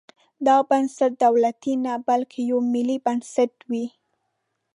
دا بنسټ دولتي نه بلکې یو ملي بنسټ وي.